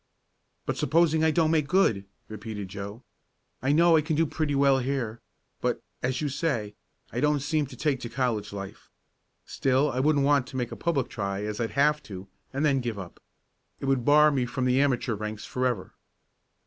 "But supposing I don't make good?" repeated Joe. "I know I can do pretty well here, but, as you say, I don't seem to take to the college life. Still, I wouldn't want to make a public try as I'd have to, and then give up. It would bar me from the amateur ranks forever."